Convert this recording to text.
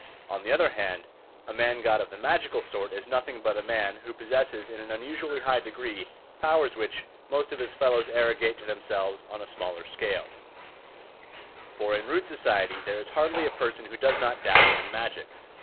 On the other hand, a man god of the magical sort is nothing but a man who possesses in an unusually high degree powers which most of his fellows arrogate to themselves on a smaller scale; for in rude society there is hardly a person who does not dabble in magic.